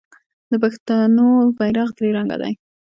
د پښتنو بیرغ درې رنګه دی.